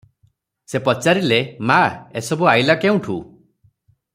ସେ ପଚାରିଲେ ମା, ଏସବୁ ଆଇଲା କେଉଁଠୁ?